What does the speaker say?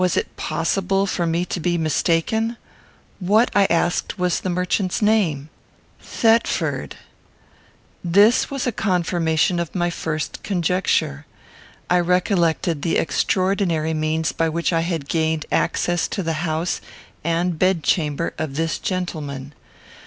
Was it possible for me to be mistaken? What, I asked, was the merchant's name? Thetford. This was a confirmation of my first conjecture. I recollected the extraordinary means by which I had gained access to the house and bedchamber of this gentleman.